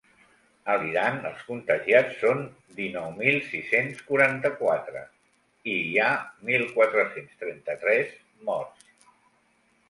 A l’Iran els contagiats són dinou mil sis-cents quaranta-quatre i hi ha mil quatre-cents trenta-tres morts.